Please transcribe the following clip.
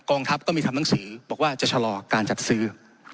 ทัพก็มีทำหนังสือบอกว่าจะชะลอการจัดซื้อ